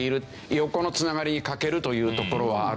横の繋がりに欠けるというところはあるという。